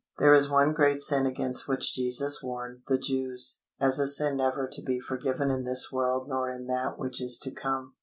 There is one great sin against which Jesus warned the Jews, as a sin never to be forgiven in this world nor in that which is to come.